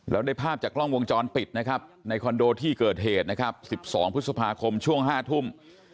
แล้วได้ภาพจากกล้องวงจรปิดนะครับในคอนโดที่เกิดเหตุนะครับ๑๒พฤษภาคมช่วง๕ทุ่ม